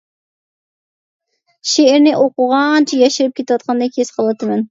شېئىرنى ئوقۇغانچە ياشىرىپ كېتىۋاتقاندەك ھېس قىلىۋاتىمەن.